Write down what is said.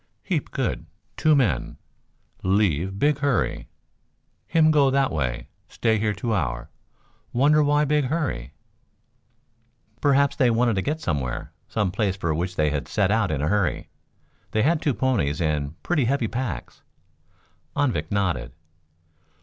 "Heap good. Two men. Leave, big hurry. Him go that way. Stay here two hour. Wonder why big hurry?" "Perhaps they wanted to get somewhere, some place for which they had set out in a hurry. They had two ponies and pretty heavy packs." Anvik nodded.